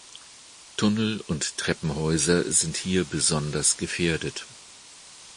Tunnel und Treppenhäuser sind hier besonders gefährdet.